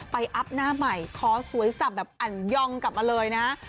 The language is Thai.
อัพหน้าใหม่ขอสวยสับแบบอันยองกลับมาเลยนะ